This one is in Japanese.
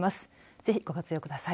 ぜひご活用ください。